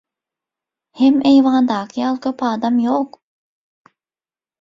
Hem eýwandaky ýaly köp adamam ýok.